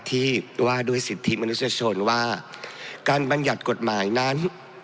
ที่ว่าด้วยสิทธิมนุษยชนว่าการบรรยัติกฎหมายนั้น